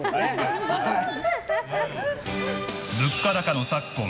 物価高の昨今